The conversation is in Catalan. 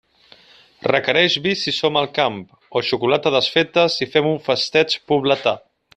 Requereix vi si som al camp, o xocolata desfeta si fem un festeig pobletà.